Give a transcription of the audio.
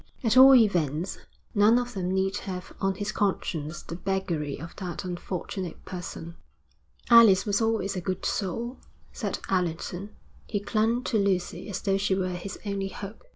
At all events none of them need have on his conscience the beggary of that unfortunate person. 'Alice was always a good soul,' said Allerton. He clung to Lucy as though she were his only hope.